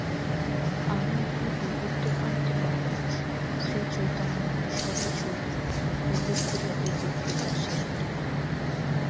আমি এখন এই উত্তরভারতের মহাপুরুষ শ্রীচৈতন্যের বিষয় কিছু উল্লেখ করিয়া এই বক্তৃতা শেষ করিব।